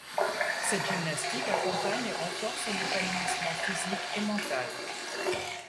Cette gymnastique accompagne et renforce l’épanouissement physique et mental.